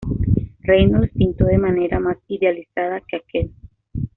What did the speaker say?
Reynolds pintó de manera más idealizada que aquel.